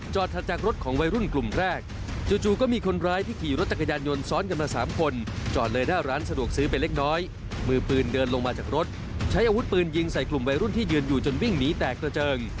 จอดเลยหน้าร้านสะดวกซื้อเป็นเล็กน้อยมือปืนเดินลงมาจากรถใช้อาวุธปืนยิงใส่กลุ่มวัยรุ่นที่ยืนอยู่จนวิ่งหนีแตกกระเจิง